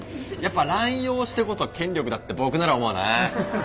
やっぱ濫用してこそ権力だって僕なら思うな。